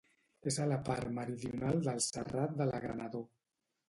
És a la part meridional del Serrat de l'Agranador.